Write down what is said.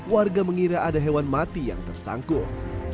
warga mengira ada hewan mati yang tersangkut